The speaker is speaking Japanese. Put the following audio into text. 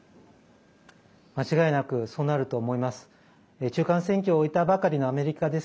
間違いなくそうなると思います。